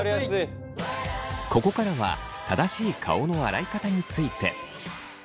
ここからは正しい顔の洗い方について。